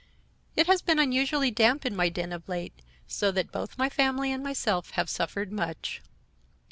"It has been unusually damp in my den of late, so that both my family and myself have suffered much.